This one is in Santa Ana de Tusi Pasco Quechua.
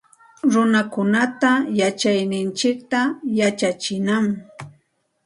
Runakunata yachayninchikta yachachinam